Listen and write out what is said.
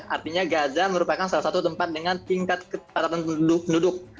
artinya gaza merupakan salah satu tempat dengan tingkat ketaatan penduduk